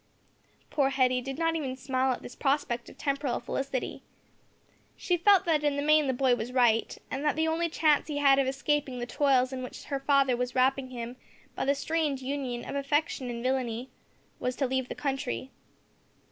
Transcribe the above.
Poor Hetty did not even smile at this prospect of temporal felicity. She felt that in the main the boy was right, and that the only chance he had of escaping the toils in which her father was wrapping him by the strange union of affection and villainy, was to leave the country.